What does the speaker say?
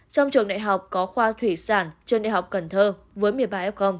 trong trường đại học có khoa thủy sản trường đại học cần thơ với một mươi ba f